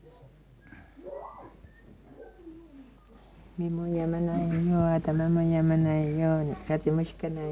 目も病まないよう頭も病まないように風邪もひかないように。